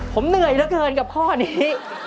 ผมเหนื่อยเกินกับข้อนี้